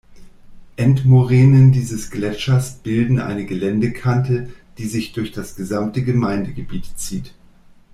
Endmoränen dieses Gletschers bilden eine Geländekante, die sich durch das gesamte Gemeindegebiet zieht.